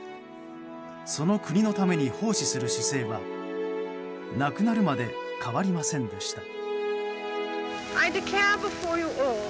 その国のために奉仕する姿勢は亡くなるまで変わりませんでした。